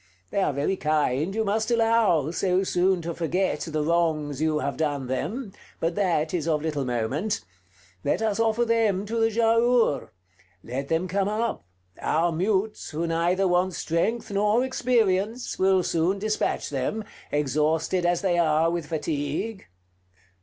They are very kind, you must allow, so soon to forget the wrongs you have done them: but that is of little moment. Let us offer them to the Giaour. Let them come up: our mutes, who neither want strength nor experience, will soon dispatch them, exhausted as they are with fatigue."